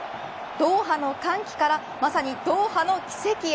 ドーハの歓喜からまさに、ドーハの奇跡へ。